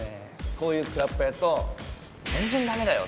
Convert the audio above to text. こういうクラップやると「全然ダメだよ！」